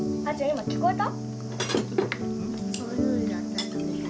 今聞こえた？